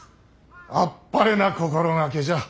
あっぱれな心掛けじゃ。